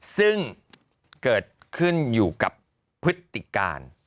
ซึ่งเกิดขึ้นอยู่กับพฤติการ